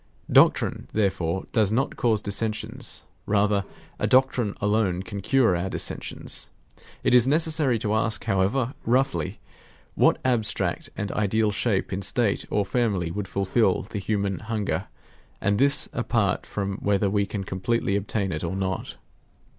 Doctrine, therefore, does not cause dissensions; rather a doctrine alone can cure our dissensions. It is necessary to ask, however, roughly, what abstract and ideal shape in state or family would fulfil the human hunger; and this apart from whether we can completely obtain it or not.